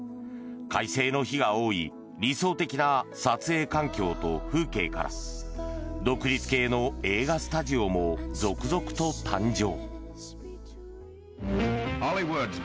快晴の日が多い理想的な撮影環境と風景から独立系の映画スタジオも続々と誕生。